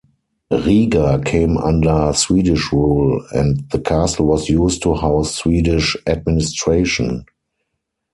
Riga came under Swedish rule and the Castle was used to house Swedish administration.